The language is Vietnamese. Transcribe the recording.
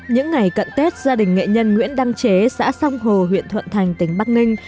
những ngày cận tết gia đình nghệ nhân nguyễn đăng chế xã sông hồ huyện thuận thành tỉnh bắc ninh